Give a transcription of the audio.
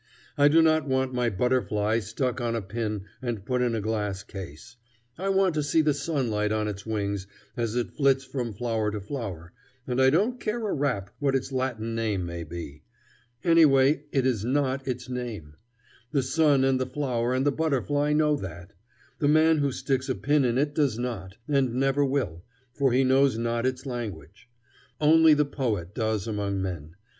I do not want my butterfly stuck on a pin and put in a glass case. I want to see the sunlight on its wings as it flits from flower to flower, and I don't care a rap what its Latin name may be. Anyway, it is not its name. The sun and the flower and the butterfly know that. The man who sticks a pin in it does not, and never will, for he knows not its language. Only the poet does among men.